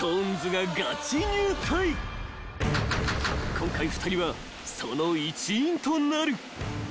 ［今回２人はその一員となる］